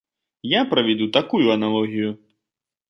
Я правяду такую аналогію.